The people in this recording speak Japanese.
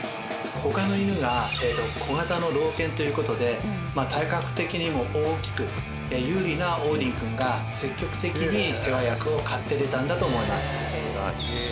他の犬が小型の老犬ということで体格的にも大きく有利なオーディン君が積極的に世話役を買って出たんだと思います。